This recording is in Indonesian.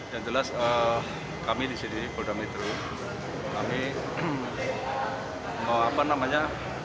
yang jelas kami di sini polda metro kami apa namanya